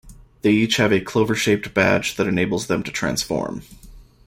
They each have a clover-shaped badge that enables them to transform.